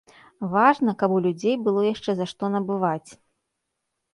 Важна, каб у людзей было яшчэ за што набываць.